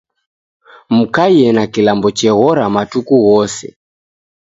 Mukaie na kilambo cheghora matuku ghose